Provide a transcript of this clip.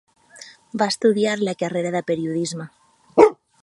Va estudiar la carrera de periodisme.